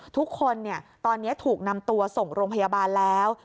ทุกคนตอนนี้ถูกนำตัวส่งโรงพยาบาลแล้ว